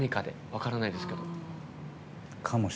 分からないですけど。